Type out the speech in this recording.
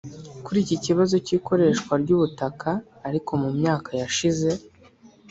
Kuri iki kibazo cy’ikoreshwa ry’ubutaka ariko mu myaka yashize